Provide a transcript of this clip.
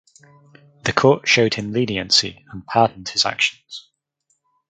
The court showed him leniency and pardoned his actions.